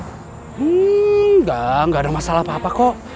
nggak nggak ada masalah apa apa kok